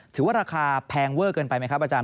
ถือว่าราคาแพงเวอร์เกินไปไหมครับอาจาร